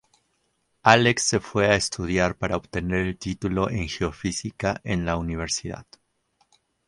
Alex se fue a estudiar para obtener un título en geofísica en la universidad.